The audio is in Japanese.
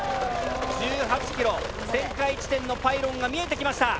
１８ｋｍ旋回地点のパイロンが見えてきました。